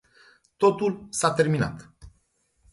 Totul s-a terminat.